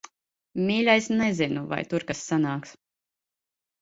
Mīļais, nezinu, vai tur kas sanāks.